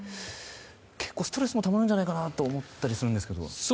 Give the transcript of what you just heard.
結構、ストレスもたまるんじゃないかなと思ったりするんですが。